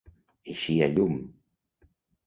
Eixir a llum.